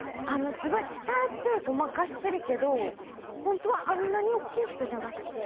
すごい鍛えてごまかしてるけど本当はあんなに大きい人じゃなくて。